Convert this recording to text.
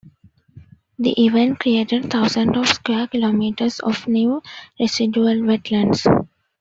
The event created thousands of square kilometres of new residual wetlands.